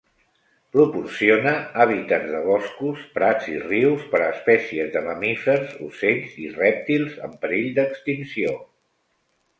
Proporciona hàbitats de boscos, prats i rius per a espècies de mamífers, ocells i rèptils en perill d'extinció.